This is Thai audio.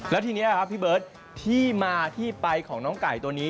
แล้วทีนี้ครับพี่เบิร์ตที่มาที่ไปของน้องไก่ตัวนี้